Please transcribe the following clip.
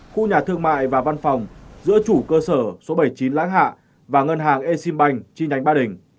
khu nhà thương mại và văn phòng giữa chủ cơ sở số bảy mươi chín lãng hạ và ngân hàng exim bank chi nhánh ba đình